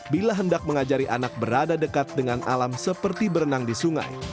bila hendak mengajari anak berada dekat dengan alam seperti berenang di sungai